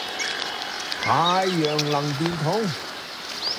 太陽能電筒